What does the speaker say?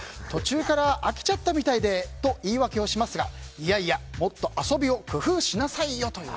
途中から飽きちゃったみたいでと言い訳をしますが、いやいやもっと遊びを工夫しなさいよと。